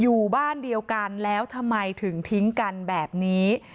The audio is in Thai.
อยู่บ้านเดียวกันแล้วทำไมถึงทิ้งกันแบบนี้